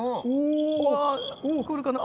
うわ来るかな？